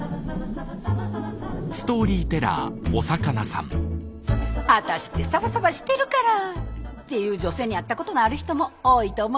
「ワタシってサバサバしてるから」って言う女性に会ったことのある人も多いと思います。